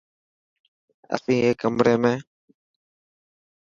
اسين هيڪ ڪمري ۾.